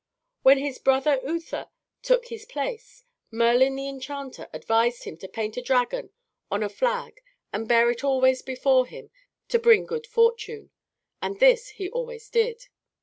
When his brother Uther took his place, Merlin the enchanter advised him to paint a dragon on a flag and bear it always before him to bring good fortune, and this he always did.